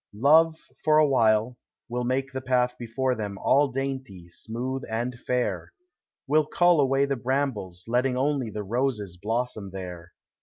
Love, for a while, will make the path before them All dainty, smooth, and fair, — Will cull away the brambles, letting only The roses blossom there.